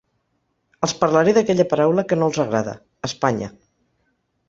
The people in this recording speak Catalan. Els parlaré d’aquella paraula que no els agrada: Espanya.